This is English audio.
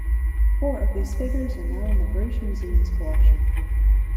Four of these figures are now in the British Museum's collection.